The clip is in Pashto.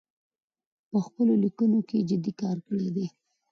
په خپلو لیکنو کې جدي کار کړی دی